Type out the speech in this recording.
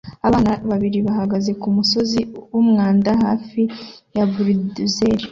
Abana babiri bahagaze kumusozi wumwanda hafi ya buldozer